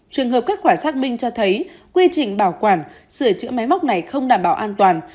trường hợp kết quả xác minh cho thấy quy trình bảo quản sửa chữa máy móc này không đảm bảo an toàn